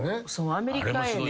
アメリカへね